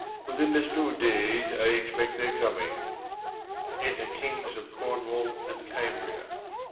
Within this two days I expect their coming. Enter kings of Cornwall an d Cambria.